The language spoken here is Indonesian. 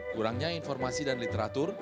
kurangnya informasi dan literatur